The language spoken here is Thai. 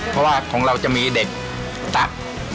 เพราะว่าของเราจะมีเด็กตัก